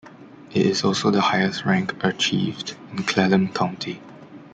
It is also the highest rank achieved in Clallam County.